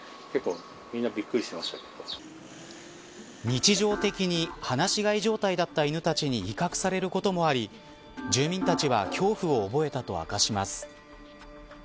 日常的に放し飼い状態だった犬たちに威嚇されることもあり住民たちは恐怖を覚えたと明かします。